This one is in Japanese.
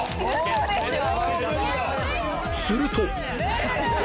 すると！